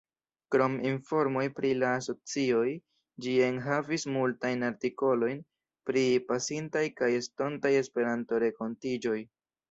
Krom informoj pri la asocioj, ĝi enhavis multajn artikolojn pri pasintaj kaj estontaj Esperanto-renkontiĝoj.